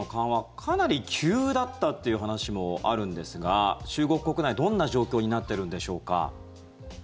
かなり急だったという話もあるんですが中国国内、どんな状況になってるんでしょうか？